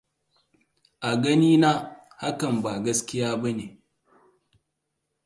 A ganina hakan ba gaskiya bane.